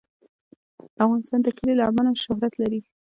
افغانستان د کلي له امله شهرت لري.